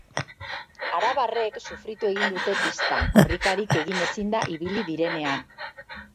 Arabarrek sufritu egin dute pistan korrikarik egin ezinda ibili direnean.